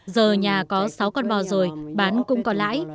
giờ nhà có sáu con bò rồi bán cũng còn lãi